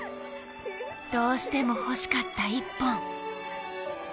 どうしても欲しかった１本。